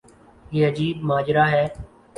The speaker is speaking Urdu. یہ عجیب ماجرا ہے۔